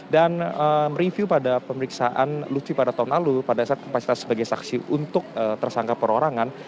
dan review pada pemeriksaan lufi pada tahun lalu pada saat kapasitas sebagai saksi untuk tersangka perorangan